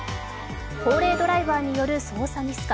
高齢ドライバーによる操作ミスか。